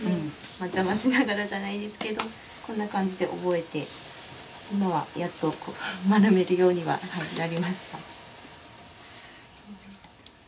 邪魔しながらじゃないですけどこんな感じで覚えて今はやっと丸めるようにはなりました。